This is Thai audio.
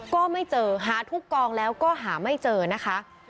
ก็ไม่เจอหาทุกกองแล้วก็หาไม่เจอนะคะ